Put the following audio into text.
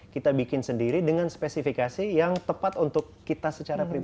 kita bikin sendiri dengan spesifikasi yang tepat untuk kita secara pribadi